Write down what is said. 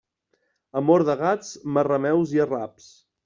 Amor de gats, marrameus i arraps.